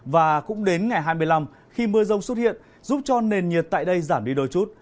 và cũng đến ngày hai mươi năm khi mưa rông xuất hiện giúp cho nền nhiệt tại đây giảm đi đôi chút